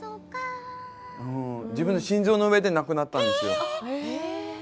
自分の心臓の上で亡くなったんですよ。